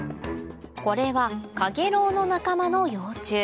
これはカゲロウの仲間の幼虫